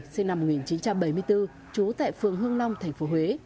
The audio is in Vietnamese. sinh năm một nghìn chín trăm bảy mươi bốn trú tại phường hương long thành phố huế